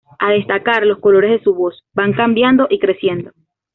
A destacar los colores de su voz, van cambiando y creciendo.